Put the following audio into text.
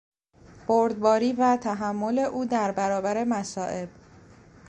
بردباری و تحمل او در برابر مصائب